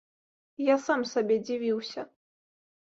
Я сам сабе дзівіўся.